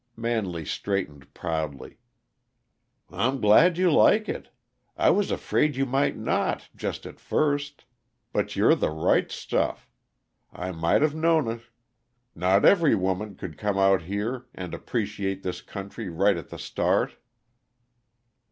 Manley straightened proudly. "I'm glad you like it; I was afraid you might not, just at first. But you're the right stuff I might have known it. Not every woman could come out here and appreciate this country right at the start."